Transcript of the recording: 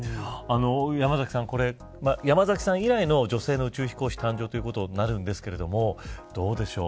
山崎さん山崎さん以来の女性宇宙飛行士誕生となるんですけどどうでしょう